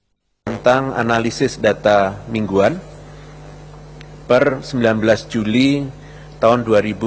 tentang analisis data mingguan per sembilan belas juli tahun dua ribu dua puluh